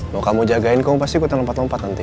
mau kamu jagain kamu pasti ikutan lompat lompat nanti